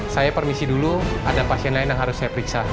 saya permisi dulu ada pasien lain yang harus saya periksa